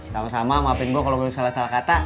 sama sama maafin gue kalau gue salah salah kata